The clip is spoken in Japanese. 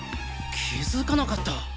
気付かなかった！